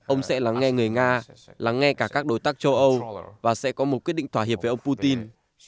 ông sẽ lắng nghe người nga lắng nghe cả các đối tác châu âu và sẽ có một quyết định thỏa hiệp với ông putin